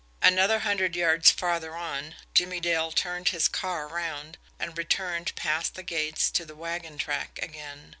Another hundred yards farther on, Jimmie Dale turned his car around and returned past the gates to the wagon track again.